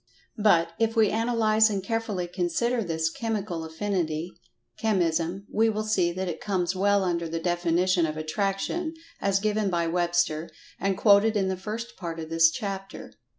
But, if we analyze and carefully consider this "Chemical Affinity," "Chemism," we will see that it comes well under the definition of "Attraction" as given by Webster, and quoted in the first part of this chapter.